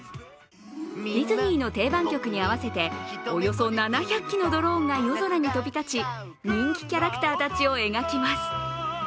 ディズニーの定番曲に合わせておよそ７００機のドローンが夜空に飛び立ち人気キャラクターたちを描きます。